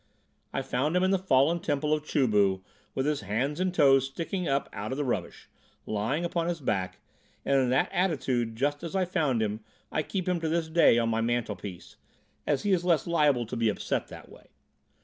I found him in the fallen temple of Chu bu with his hands and toes sticking up out of the rubbish, lying upon his back, and in that attitude just as I found him I keep him to this day on my mantlepiece, as he is less liable to be upset that way.